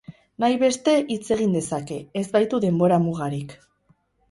Nahi beste hitz egin dezake, ez baitu denbora mugarik.